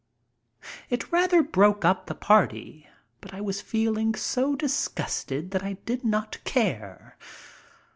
It rather broke up the party, but I was feeling so dis gusted that I did not care.